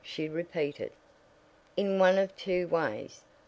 she repeated. "In one of two ways.